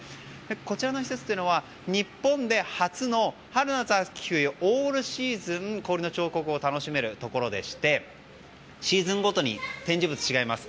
こちらの施設は日本で初の春夏秋冬オールシーズン氷の彫刻を楽しめるところでしてシーズンごとに展示物が違います。